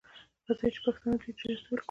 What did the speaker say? راځئ چې پښتو ډیجټالي کړو!